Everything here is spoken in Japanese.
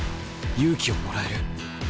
勇気をもらえる。